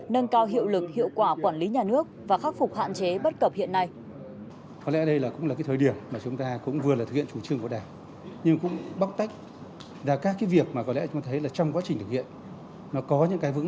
nâng cao hiệu lực hiệu quả quản lý nhà nước và khắc phục hạn chế bất cập hiện nay